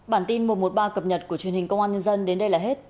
bản tin một trăm một mươi ba cập nhật của truyền hình công an nhân dân đến đây là hết